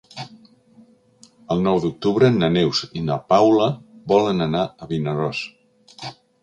El nou d'octubre na Neus i na Paula volen anar a Vinaròs.